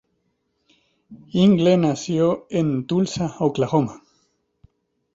Ingle nació en Tulsa, Oklahoma.